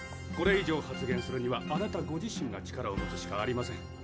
これ以上発言するにはあなたご自身が力を持つしかありません。